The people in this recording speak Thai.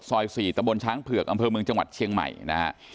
๔ตะบนช้างเผือกอำเภอเมืองจังหวัดเชียงใหม่นะฮะ